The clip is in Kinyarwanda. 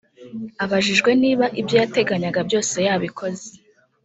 Abajijwe niba ibyo yateganyaga byose yabikoze